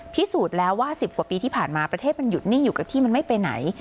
พิสูจน์แล้วว่า๑๐กว่าปีที่ผ่านมาประเทศมันหยุดนิ่งอยู่กับที่มันไม่ไปไหน